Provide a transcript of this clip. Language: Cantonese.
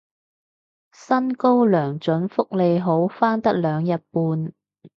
薪高糧準福利好返得兩日半